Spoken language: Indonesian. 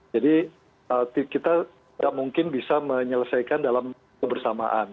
jadi kita tidak mungkin bisa menyelesaikan dalam kebersamaan